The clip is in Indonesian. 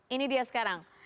ini dia sekarang